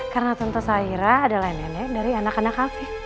karena tante saira adalah nenek dari anak anak habib